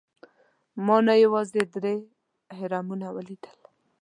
ما نه یوازې درې اهرامونه ولیدل.